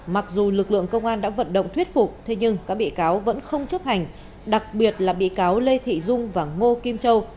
mặc dù lực lượng công an đã vận động thuyết phục thế nhưng các bị cáo vẫn không chấp hành đặc biệt là bị cáo lê thị dung và ngô kim châu